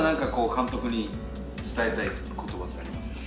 監督に伝えたい言葉ってありますか？